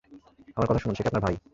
আমার কথা শুনুন সে কি আপনার ভাই?